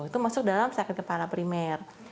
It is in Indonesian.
itu masuk dalam sakit kepala primer